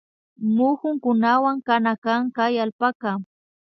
Mukunkunawan kana kan kay allpaka